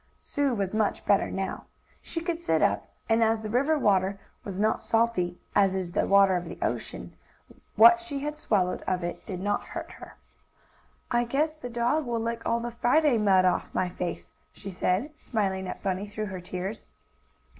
Sue was much better now. She could sit up, and, as the river water was not salty, as is the water of the ocean, what she had swallowed of it did not hurt her. "I guess the dog will lick all the Friday mud off my face," she said, smiling at Bunny through her tears.